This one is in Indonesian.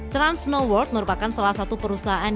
trans snow world merupakan salah satu perusahaan